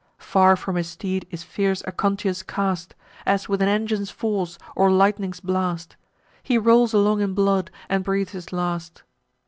Far from his steed is fierce Aconteus cast, As with an engine's force, or lightning's blast: He rolls along in blood, and breathes his last.